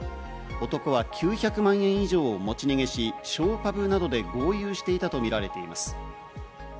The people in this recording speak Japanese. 男は９００万円以上を持ち逃げし、ショーパブなどで豪遊していたとみられています。